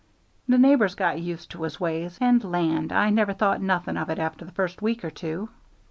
The neighbors got used to his ways, and, land! I never thought nothing of it after the first week or two.